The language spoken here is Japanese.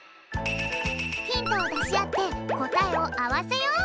ヒントをだしあってこたえをあわせよう！